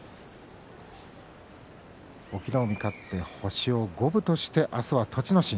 隠岐の海、勝って星を五分にして明日は栃ノ心。